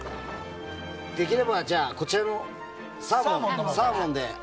できれば、こちらのサーモンで。